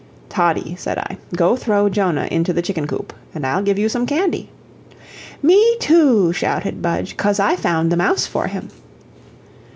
"Toddie," said I, "go throw Jonah into the chicken coop, and I'll give you some candy." "Me too," shouted Budge, "cos I found the mouse for him."